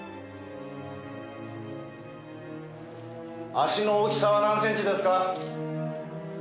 足の大きさは何センチですか？